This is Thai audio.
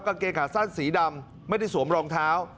กางเกงขาสั้นสีดำไม่ได้สวมรองเท้า